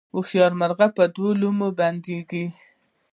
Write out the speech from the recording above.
هوښیار مرغه په دوو لومو بندیږي